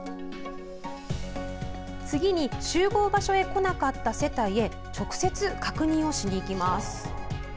次に集合場所へ来なかった世帯へ直接、確認をしに行きます。